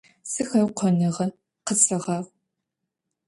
Sixeukhonığe khısfeğeğu!